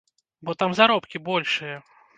Бо там заробкі большыя.